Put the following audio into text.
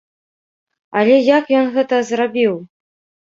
Але як ён гэта зрабіў?